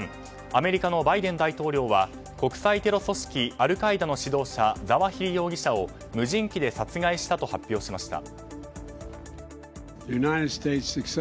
アメリカのバイデン大統領は国際テロ組織アルカイダの指導者ザワヒリ容疑者を無人機で殺害したと発表しました。